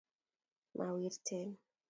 mawirten